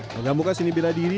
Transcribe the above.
menggambungkan seni bila diri